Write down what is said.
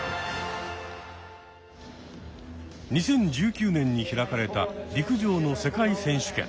２０１９年に開かれた陸上の世界選手権。